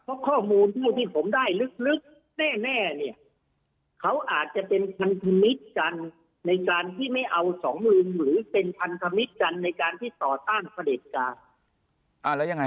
เพราะข้อมูลที่ผมได้ลึกแน่เนี่ยเขาอาจจะเป็นคันพมิตรกันในการที่ไม่เอาสองมือหรือเป็นคันพมิตรกันในการที่ต่อต้านประเด็นการ